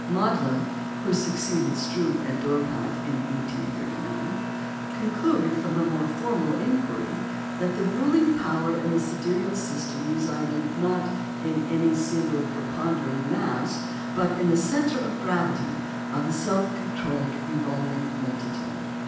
Mädler (who succeeded Struve at Dorpat in 1839) concluded from a more formal inquiry that the ruling power in the sidereal system resided, not in any single prepondering mass, but in the centre of gravity of the self controlled revolving multitude.